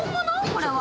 これは。